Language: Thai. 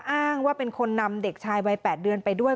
อ้างว่าเป็นคนนำเด็กชายวัย๘เดือนไปด้วย